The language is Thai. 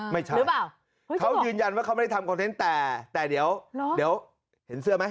ไม่ใช่เขายืนยันว่าเขาไม่ได้ทำคอนเทนต์แต่เดี๋ยวเห็นเสื้อไหม